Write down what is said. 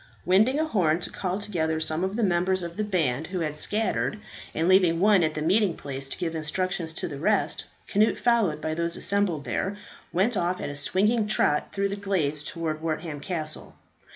Winding a horn to call together some of the members of the band who had scattered, and leaving one at the meeting place to give instructions to the rest, Cnut, followed by those assembled there, went off at a swinging trot through the glades towards Wortham Castle.